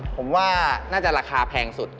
ผมว่าน่าจะราคาแพงสุด